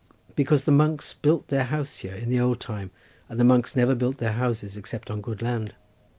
"Because the monks built their house here in the old time, and the monks never built their houses except on good land."